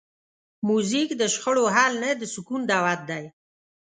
موزیک د شخړو حل نه، د سکون دعوت دی.